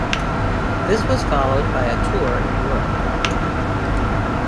This was followed by a tour in Europe.